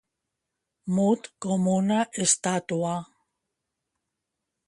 Mut com una estàtua.